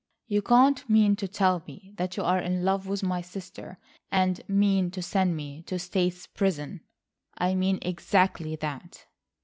"You can't mean to tell me that you are in love with my sister and mean to send me to state's prison?" "I mean exactly that."